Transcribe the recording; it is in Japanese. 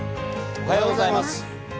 おはようございます。